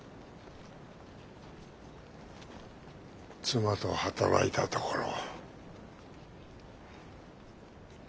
妻と働いたところ。